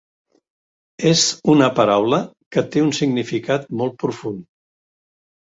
És una paraula que té un significat molt profund.